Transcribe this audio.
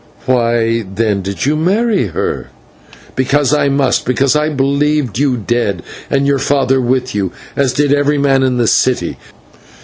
"Why, then, did you marry her?" "Because I must, and because I believed you dead, and your father with you, as did every man in the city.